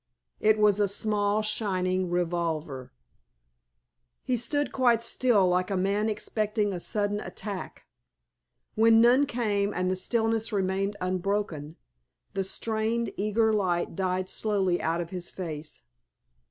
It was a small, shining revolver. He stood quite still like a man expecting a sudden attack. When none came and the stillness remained unbroken, the strained, eager light died slowly out of his face.